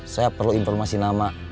saya perlu informasi nama